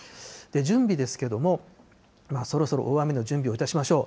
準備ですけども、そろそろ大雨の準備をいたしましょう。